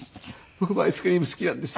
僕もアイスクリーム好きなんですよ。